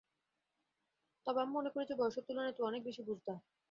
তবে আমি মনে করি যে, বয়সের তুলনায় তুই অনেক বেশি বুঝদার।